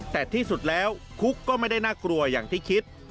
แต่ที่สุดแล้วคุกก็ไม่ได้น่ากลัวอย่างที่คิด